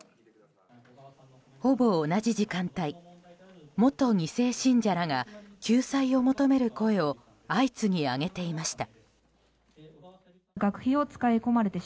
ほぼ同じ時間帯、元２世信者らが救済を求める声を相次ぎ上げていました。